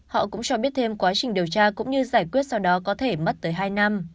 họ cũng cho biết thêm quá trình điều tra cũng như giải quyết sau đó có thể mất tới hai năm